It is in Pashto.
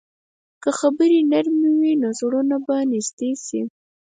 که خبرې نرمې وي، نو زړونه به نږدې شي.